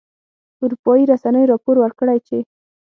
اروپایي رسنیو راپور ورکړی چې